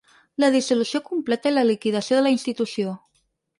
La dissolució completa i la liquidació de la institució.